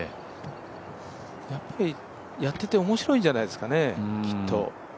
やっぱりやってて面白いんじゃないですかね、きっと。